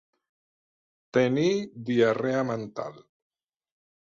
Tenir diarrea mental.